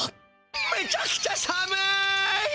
めちゃくちゃ寒い！